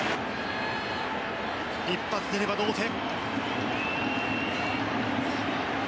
一発出れば同点。